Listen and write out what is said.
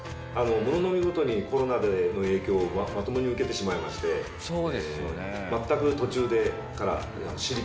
物の見事にコロナの影響をまともに受けてしまいまして全く途中から。